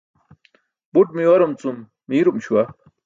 Buṭ miwarum cum miirum śuwa.